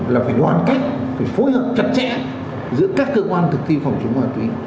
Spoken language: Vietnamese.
là phải đoàn kết phải phối hợp chặt chẽ giữa các cơ quan thực thi phòng chống ma túy